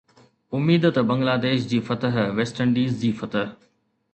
اميد ته بنگلاديش جي فتح، ويسٽ انڊيز جي فتح